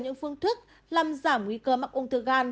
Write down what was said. những phương thức làm giảm nguy cơ mắc ung thư gan